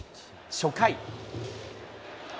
初回。